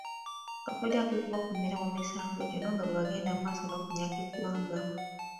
Kakodyo okubakuumira mu misango gino nga bwe bagenda mu maaso n'okunyaga eggwanga.